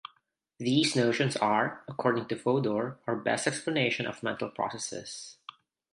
These notions are, according to Fodor, our best explanation of mental processes.